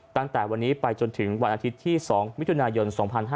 ตั้งแต่วันนี้ไปจนถึงวันอาทิตย์ที่๒มิถุนายน๒๕๕๙